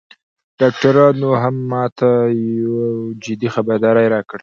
ډاکترانو هم ماته یو جدي خبرداری راکړ